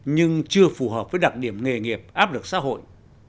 nhưng chưa phù hợp với đặc điểm nghề nghiệp áp lực xã hội